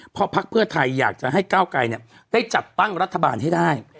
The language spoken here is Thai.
เพราะพักเพื่อไทยอยากจะให้ก้าวไกรได้จัดตั้งรัฐบาลให้ได้